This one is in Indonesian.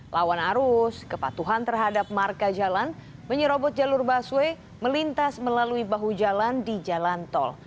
lawan arus kepatuhan terhadap marka jalan menyerobot jalur busway melintas melalui bahu jalan di jalan tol